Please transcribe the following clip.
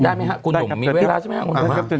ได้ไหมครับคุณหนุ่มมีเวลาใช่ไหมครับ